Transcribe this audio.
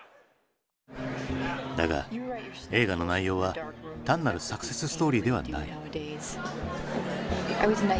だが映画の内容は単なるサクセスストーリーではない。